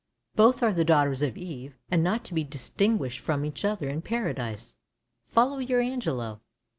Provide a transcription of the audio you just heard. Both are the daughters of Eve, and not to be distinguished from each other in Paradise. Follow your Angelo!